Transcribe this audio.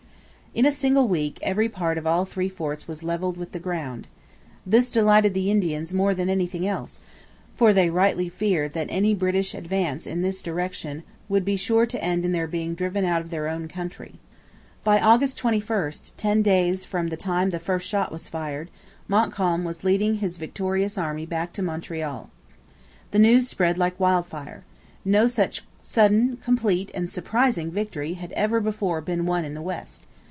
In a single week every part of all three forts was levelled with the ground. This delighted the Indians more than anything else, for they rightly feared that any British advance in this direction would be sure to end in their being driven out of their own country. By August 21, ten days from the time the first shot was fired, Montcalm was leading his victorious army back to Montreal. The news spread like wildfire. No such sudden, complete, and surprising victory had ever before been won in the West.